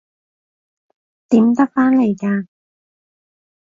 點得返嚟㗎？